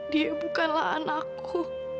dia bukanlah anakku